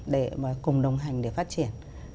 để mà cùng đồng hành để phát triển